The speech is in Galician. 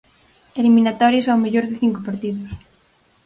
Eliminatorias ao mellor de cinco partidos.